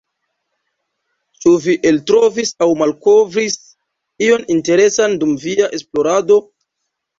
Ĉu vi eltrovis aŭ malkovris ion interesan dum via esplorado?